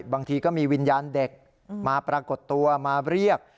บางทีก็มีวิญญาณเด็กมาปรากฏตัวมาเรียก